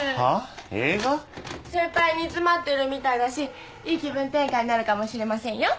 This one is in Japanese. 先輩煮詰まってるみたいだしいい気分転換になるかもしれませんよ。